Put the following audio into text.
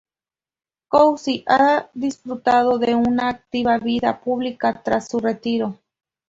Cousy ha disfrutado de una activa vida pública tras su retiro.